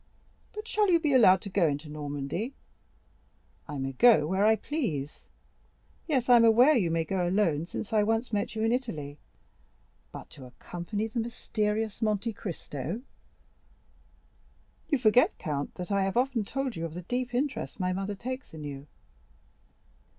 "But shall you be allowed to go into Normandy?" "I may go where I please." "Yes, I am aware you may go alone, since I once met you in Italy—but to accompany the mysterious Monte Cristo?" "You forget, count, that I have often told you of the deep interest my mother takes in you."